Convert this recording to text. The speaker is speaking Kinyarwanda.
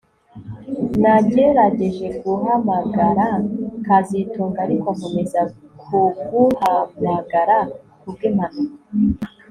Nagerageje guhamagara kazitunga ariko nkomeza kuguhamagara kubwimpanuka